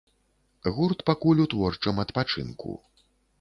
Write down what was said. Гурт пакуль у творчым адпачынку.